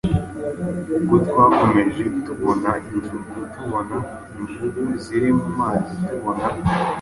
Ubwo twarakomeje tubona inzovu, tubona imvubu ziri mu mazi, tubona